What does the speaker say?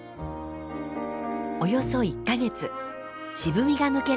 およそ１か月渋みが抜ければ完成。